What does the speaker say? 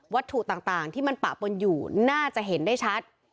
ถูกต่างที่มันปะปนอยู่น่าจะเห็นได้ชัด